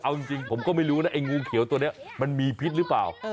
เอาจริงผมก็ไม่รู้นะไอ้งูเขียวตัวนี้มันมีพิษหรือเปล่า